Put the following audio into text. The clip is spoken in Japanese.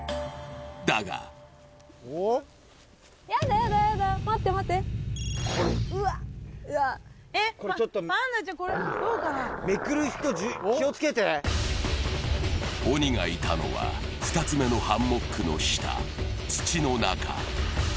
だが鬼がいたのは、２つ目のハンモックの下、土の中。